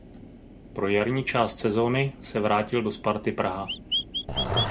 Pro jarní část sezony se vrátil do Sparty Praha.